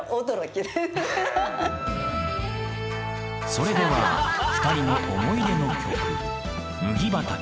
それでは２人の思い出の曲「麦畑」